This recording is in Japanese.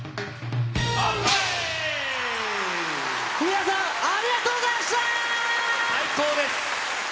皆さん、ありがとうございま最高です。